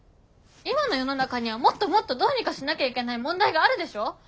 今の世の中にはもっともっとどうにかしなきゃいけない問題があるでしょ！